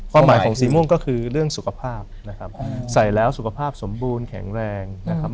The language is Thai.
ความหมายของสีม่วงก็คือเรื่องสุขภาพนะครับใส่แล้วสุขภาพสมบูรณ์แข็งแรงนะครับ